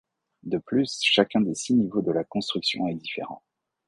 De plus, chacun des six niveaux de la construction est différent.